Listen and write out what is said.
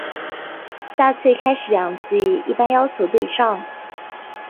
下阕开始两句一般要求对仗。